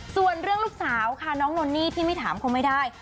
ส่วนเรื่องลูกสาวค่ะน้องนนนี่ที่ไม่ถามคงไม่ได้